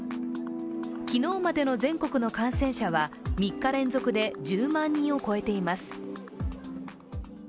昨日までの全国の感染者は、３日連続で１０万人を超えています。